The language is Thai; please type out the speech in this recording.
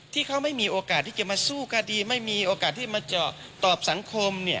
ที่เขาไม่มีโอกาสที่จะมาสู้คดีไม่มีโอกาสที่จะมาเจาะตอบสังคม